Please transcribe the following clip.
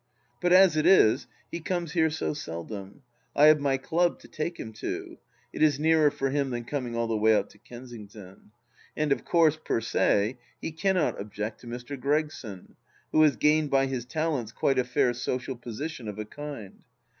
But as it is he comes here so seldom ! I have my club to take him to ; it is nearer for him than coming all the way out to Kensington. And of course, per se, he cannot object to Mr. Gregson, who has gained by his talents quite a fair social position of a kind.